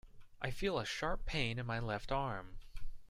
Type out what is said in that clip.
I feel a sharp pain in my left arm.